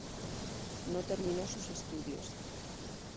No terminó sus estudios.